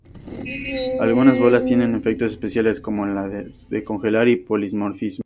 Algunas bolas tienen efectos especiales, como las de Congelar y Polimorfismo.